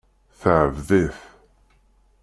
Teɛbed-it.